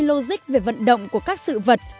logic về vận động của các sự vật